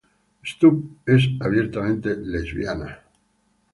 Stubbs es abiertamente lesbiana.